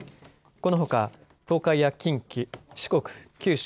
このほか東海や近畿、四国、九州、